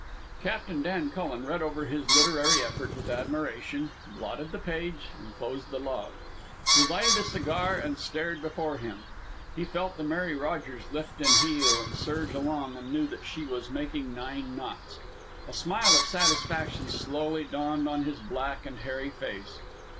Captain Dan Cullen read over his literary effort with admiration, blotted the page, and closed the log. He lighted a cigar and stared before him. He felt the Mary Rogers lift, and heel, and surge along, and knew that she was making nine knots. A smile of satisfaction slowly dawned on his black and hairy face.